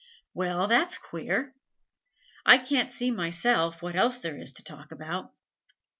'Well, that's queer. I can't see, myself, what else there is to talk about.